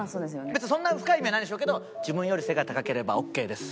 別にそんな深い意味はないんでしょうけど「自分より背が高ければオーケーです」。